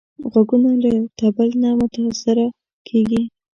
غوږونه له طبل نه متاثره کېږي